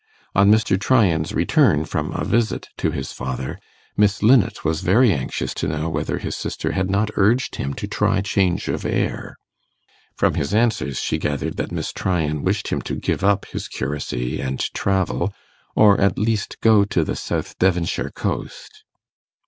On Mr. Tryan's return from a visit to his father, Miss Linnet was very anxious to know whether his sister had not urged him to try change of air. From his answers she gathered that Miss Tryan wished him to give up his curacy and travel, or at least go to the south Devonshire coast.